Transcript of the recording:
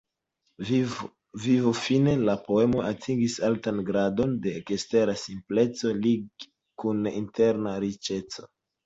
Vivofine, la poemoj atingis altan gradon de ekstera simpleco lige kun interna riĉeco.